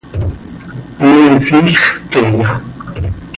¿Me siilx queeya?